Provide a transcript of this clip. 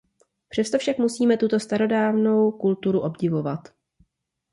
Přesto však musíme tuto starodávnou kulturu obdivovat.